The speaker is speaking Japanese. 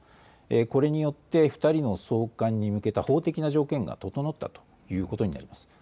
これによって２人の送還に向けた法的な条件が整ったということになります。